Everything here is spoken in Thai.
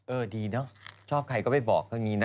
เออดีเนอะชอบใครก็ไปบอกก็งี้นะ